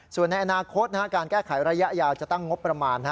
ส่วนในอนาคตการแก้ไขระยะยาวจะตั้งงบประมาณ